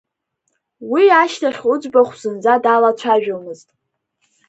Уи ашьҭахь уӡбахә зынӡа далацәажәаӡомызт.